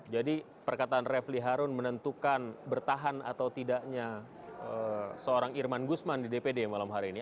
jadi perkataan revli harun menentukan bertahan atau tidaknya seorang irman guzman di dpd malam hari ini